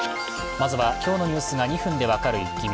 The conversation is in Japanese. まずは今日のニュースが２分で分かるイッキ見。